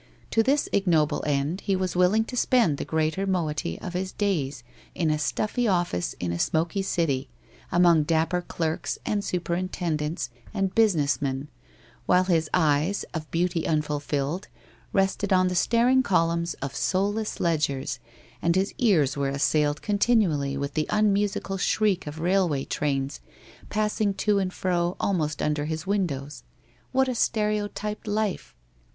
To this ignoble end he was willing to spend the greater moiety of his days in a stuffy office in a smoky city, among dapper clerks and superintendents and busi ness men, while his eyes, of beauty unfulfilled, rested on the staring columns of soulless ledgers, and his ears were a— ailed continually with the unmusical shriek of railway trains passing to and fro almost under his windows. What a stereotyped life